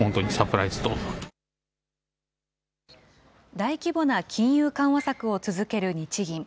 大規模な金融緩和策を続ける日銀。